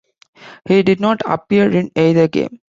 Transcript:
He did not appear in either game.